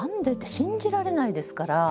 信じられないですから。